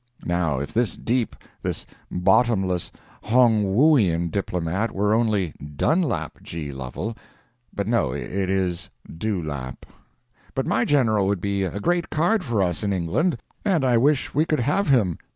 Now if this deep, this bottomless Hong Wooian diplomat were only Dun lap G. Lovel—but no, it is Dew lap. But my General would be a great card for us in England, and I wish we could have him.